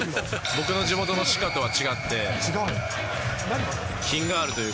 僕の地元のシカとは違って、品？